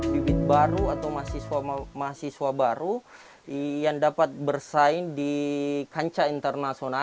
pibit baru atau mahasiswa mahasiswa baru yang dapat ber doctorateong